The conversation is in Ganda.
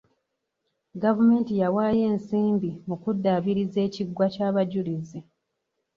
Gavumenti yawaayo ensimbi mu kuddaabiriza ekiggwa ky'abajulizi.